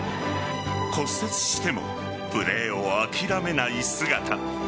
骨折してもプレーを諦めない姿。